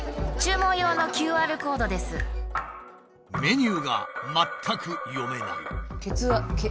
メニューが全く読めない。